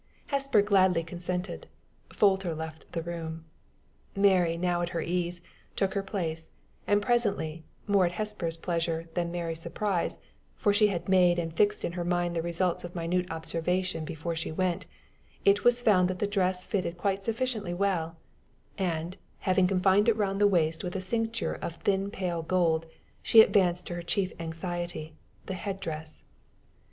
Hesper gladly consented; Folter left the room; Mary, now at her ease, took her place; and presently, more to Hesper's pleasure than Mary's surprise, for she had made and fixed in her mind the results of minute observation before she went, it was found that the dress fitted quite sufficiently well, and, having confined it round the waist with a cincture of thin pale gold, she advanced to her chief anxiety the head dress.